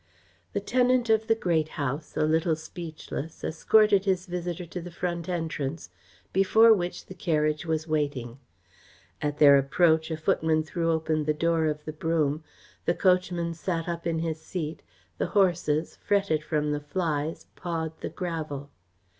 The tenant of the Great House, a little speechless, escorted his visitor to the front entrance before which the carriage was waiting. At their approach a footman threw open the door of the brougham, the coachman sat up in his seat, the horses, fretted from the flies, pawed the gravel.